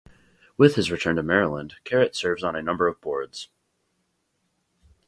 With his return to Maryland, Caret serves on a number of boards.